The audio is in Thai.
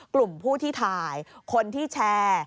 กลุ่มผู้ที่ถ่ายคนที่แชร์